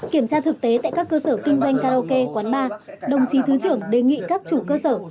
kiểm tra thực tế tại các cơ sở kinh doanh karaoke quán bar đồng chí thứ trưởng đề nghị các chủ cơ sở